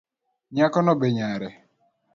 Nyakono be nyare